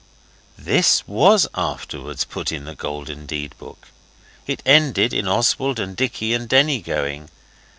THIS was afterwards put in the Golden Deed book. It ended in Oswald and Dicky and Denny going.